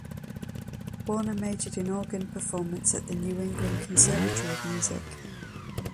Warner majored in organ performance at the New England Conservatory of Music.